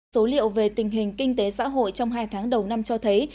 số liệu về tình hình kinh tế xã hội trong hai tháng đầu năm cho thấy